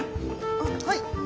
あっはい。